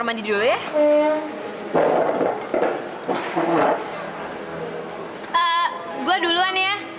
si nasi levers apa siasi